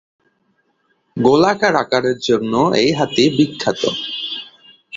গোলাকার আকারের জন্য এই হাতি বিখ্যাত।